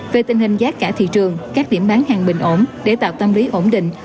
về tình hình giá cả thị trường các điểm bán hàng bình ổn để tạo tâm lý ổn định